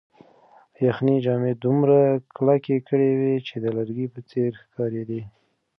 یخنۍ جامې دومره کلکې کړې وې چې د لرګي په څېر ښکارېدې.